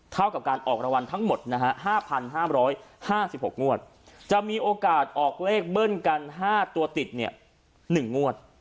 เท่ากับการออกรางวัลทั้งหมดนะฮะ๕๕๖งวดจะมีโอกาสออกเลขเบิ้ลกัน๕ตัวติด๑งวด